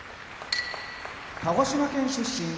鹿児島県出身